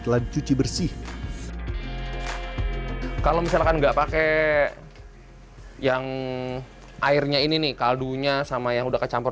dicuci bersih kalau misalkan enggak pakai yang airnya ini nih kaldu nya sama yang udah kecampur